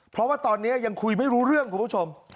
เพราะว่าตอนนี้ยังคุยไม่รู้เรื่องคุณผู้ชม